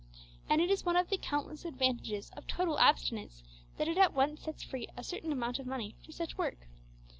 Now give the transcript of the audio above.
And it is one of the countless advantages of total abstinence that it at once sets free a certain amount of money for such work.